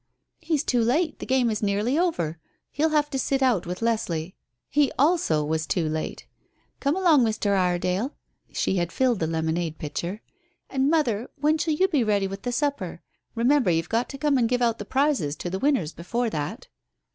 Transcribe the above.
"He's too late, the game is nearly over. He'll have to sit out with Leslie. He, also, was too late. Come along, Mr. Iredale," she had filled the lemonade pitcher, "and, mother, when shall you be ready with the supper? Remember, you've got to come and give out the prizes to the winners before that."